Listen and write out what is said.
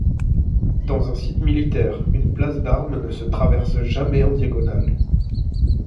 Dans un site militaire, une place d'armes ne se traverse jamais en diagonale.